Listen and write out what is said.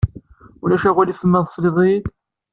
Ulac aɣilif ma tesliḍ-iyi-d?